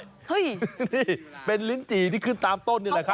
เฮ้ยนี่เป็นลิ้นจี่ที่ขึ้นตามต้นนี่แหละครับ